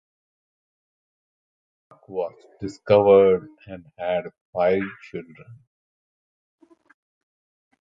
Parks was divorced and had five children.